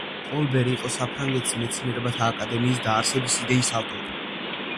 ჟან-ბატისტ კოლბერი იყო საფრანგეთის მეცნიერებათა აკადემიის დაარსების იდეის ავტორი.